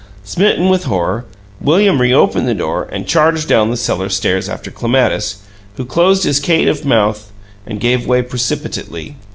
Smitten with horror, William reopened the door and charged down the cellar stairs after Clematis, who closed his caitiff mouth and gave way precipitately.